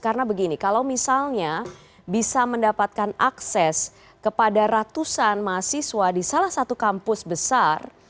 karena begini kalau misalnya bisa mendapatkan akses kepada ratusan mahasiswa di salah satu kampus besar